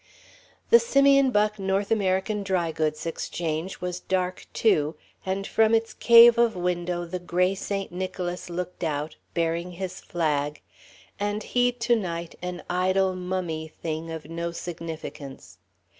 The Simeon Buck North American Dry Goods Exchange was dark, too, and from its cave of window the gray Saint Nicholas looked out, bearing his flag and he to night an idle, mummy thing of no significance.